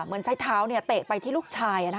เหมือนใส่เท้าเนี่ยเตะไปที่ลูกชายน่ะค่ะ